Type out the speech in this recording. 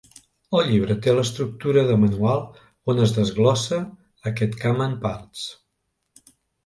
El llibre té l'estructura de manual on es desglossa aquest camp en parts.